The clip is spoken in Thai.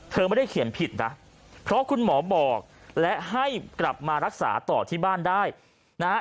เธอไม่ได้เขียนผิดนะเพราะคุณหมอบอกและให้กลับมารักษาต่อที่บ้านได้นะฮะ